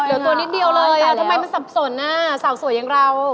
เหลือตัวนิดเดียวเลยทำไมมันสับสนอ่ะสาวสวยอย่างเรา